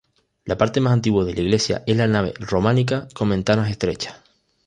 La parte más antigua de la iglesia es la nave románica con ventanas estrechas.